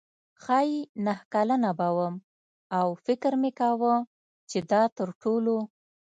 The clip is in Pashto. ښايي نهه کلنه به وم او فکر مې کاوه چې دا تر ټولو.